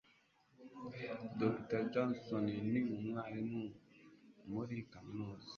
Dr. Johnson ni umwarimu muri kaminuza.